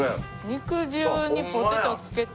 肉汁にポテトつけて。